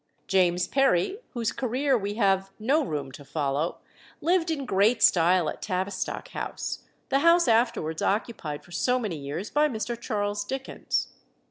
James Perry, whose career we have no room to follow, lived in great style at Tavistock House, the house afterwards occupied for many years by Mr. Charles Dickens.